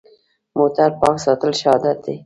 موټر پاک ساتل ښه عادت دی.